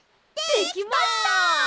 できました！